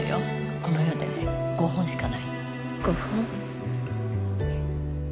この世でね５本しかないの５本？